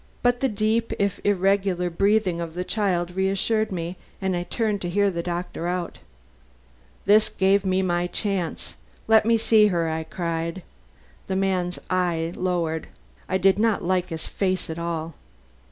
But the deep, if irregular, breathing of the child reassured me, and I turned to hear the doctor out. "This gave me my chance. 'Let me see her,' I cried. The man's eye lowered. I did not like his face at all.